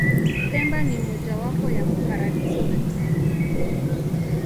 pemba ni moja wapo ya paradiso za dunia